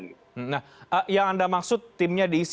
nah yang anda maksud timnya diisi